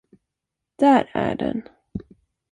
Där är den.